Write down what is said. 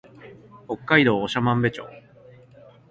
北海道長万部町